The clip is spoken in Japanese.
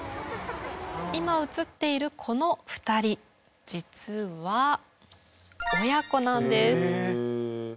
今映っているこの２人実は親子なんです。